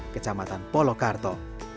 kecamatan polo karto